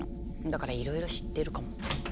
だからいろいろ知ってるかも。